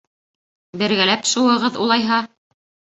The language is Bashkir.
— Бергәләп шыуығыҙ, улайһа.